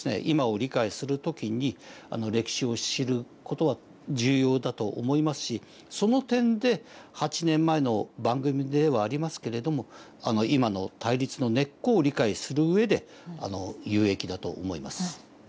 今を理解する時に歴史を知る事は重要だと思いますしその点で８年前の番組ではありますけれども今の対立の根っこを理解する上で有益だと思います。